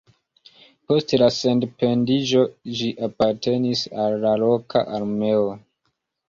Post la sendependiĝo ĝi apartenis al la loka armeo.